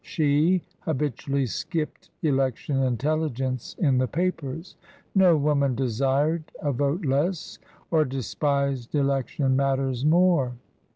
She habitually skipped election intelligence in the papers ; no woman desired a vote less, or despised election matters more.